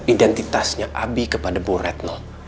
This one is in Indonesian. identitasnya abi kepada bu retno